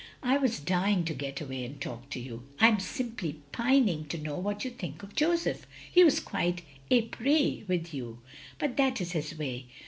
"I was dying to get away and talk to you. I am simply pining to know what you think of Joseph. He was quite ipris with you. But that is his way.